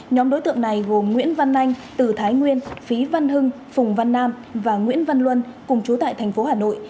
nhóm đối tượng này gồm nguyễn văn anh từ thái nguyên phí văn hưng phùng văn nam và nguyễn văn luân cùng chú tại thành phố hà nội